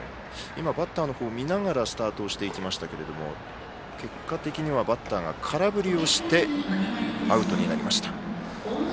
バッターの方を見ながらスタートしていきましたけれども結果的にはバッターが空振りをしてアウトになりました。